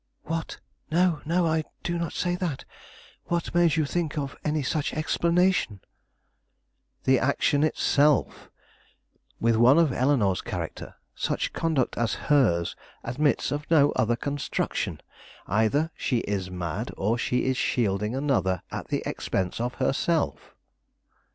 "What? No, no; I do not say that. What made you think of any such explanation?" "The action itself. With one of Eleanore's character, such conduct as hers admits of no other construction. Either she is mad, or she is shielding another at the expense of herself."